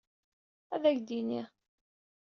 Ad ak-t-tini.